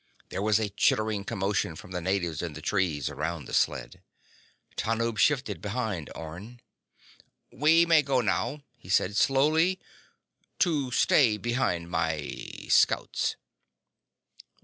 There was a chittering commotion from the natives in the trees around the sled. Tanub shifted behind Orne. "We may go now," he said. "Slowly ... to stay behind my ... scouts."